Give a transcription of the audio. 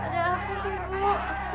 ada aku sih bu